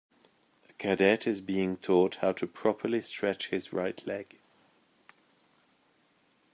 A cadet is being taught how to properly stretch his right leg.